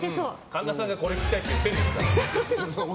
神田さんがこれ聞きたいって言ってんですから。